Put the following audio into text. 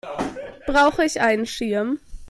Brauche ich einen Schirm?